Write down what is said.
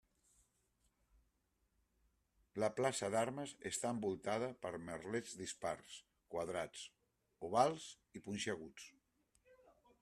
La plaça d'armes està envoltada per merlets dispars, quadrats, ovals i punxeguts.